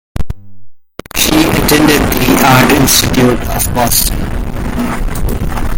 She attended the Art Institute of Boston.